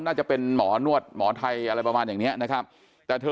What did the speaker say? น่าจะเป็นหมอนวดหมอไทยอะไรประมาณอย่างเนี้ยนะครับแต่เธอ